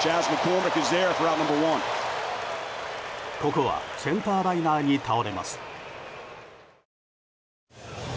ここはセンターライナーに倒れます。